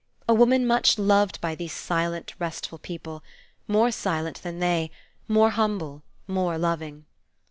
A woman much loved by these silent, restful people; more silent than they, more humble, more loving.